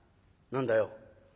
「何だよ？」。